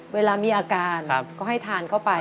เวลามีอาการก็ให้ทานเข้าไป